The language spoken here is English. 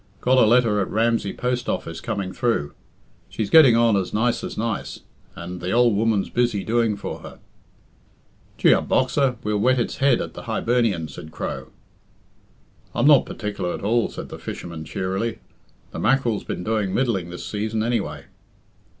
Got a letter at Ramsey post office coming through. She's getting on as nice as nice, and the ould woman's busy doing for her." "Gee up, Boxer we'll wet its head at the Hibernian," said Crow. "I'm not partic'lar at all," said the fisherman cheerily. "The mack'rel's been doing middling this season, anyway."